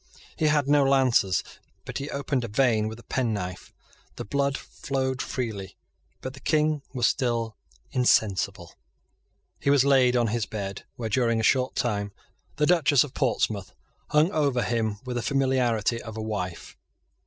He had no lances; but he opened a vein with a penknife. The blood flowed freely; but the King was still insensible. He was laid on his bed, where, during a short time, the Duchess of Portsmouth hung over him with the familiarity of a wife.